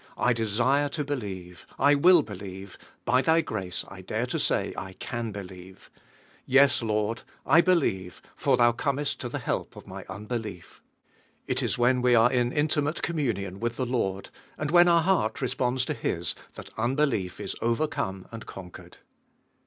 I desire to believe, I will be lieve, by Thy grace I dare to say I can believe. Yes, Lord, ! believe, for Thou 48 DtVIJNE HEALING. ■ nrvnra HZALma. 49 earnest to (he help of my unbelief." It is when we are ih intimate communion with the Lord, and when our heart responds to His, that unbelief is overcome and con quered.